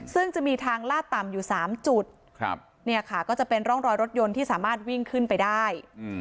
ซึ่งจะมีทางลาดต่ำอยู่๓จุดเนี่ยค่ะก็จะเป็นร่องรอยรถยนต์ที่สามารถวิ่งขึ้นไปได้